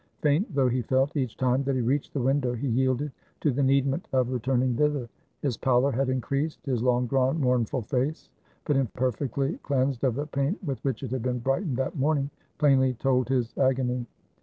Faint though he felt each time that he reached the window, he yielded to the needment of returning thither. His pallor had increased, his long drawn mournful face, but imperfectly cleansed of the paint with which it had been brightened that morning, plainly told his agony.